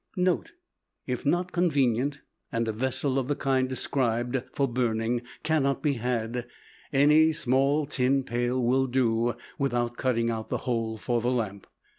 NOTE If not convenient and a vessel of the kind described (for burning) cannot be had, any small tin pail will do without cutting out the hole for lamp.